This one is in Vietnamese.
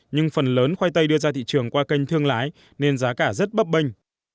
nhưng phần lớn khoai tây đưa ra thị trường qua kênh thương lái nên giá cả rất bấp bênh